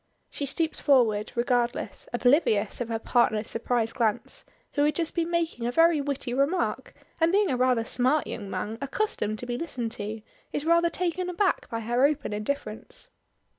She stoops forward, regardless oblivious of her partner's surprised glance, who has just been making a very witty remark, and being a rather smart young man, accustomed to be listened to, is rather taken aback by her open indifference.